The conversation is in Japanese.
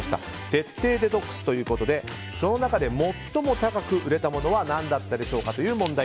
徹底デトックスということでその中で最も高く売れたものは何だったでしょうかという問題